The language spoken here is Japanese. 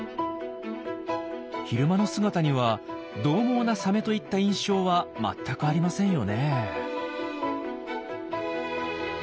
昼間の姿にはどう猛なサメといった印象はまったくありませんよね。